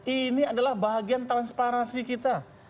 ini adalah bahagian transparansi kita